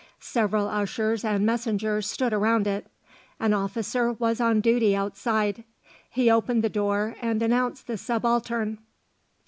Several ushers and messengers stood around it; an officer was on duty outside. He opened the door and announced the Subaltern.